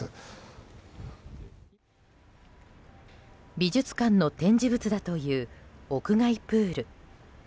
美術館の展示物だという屋外プール。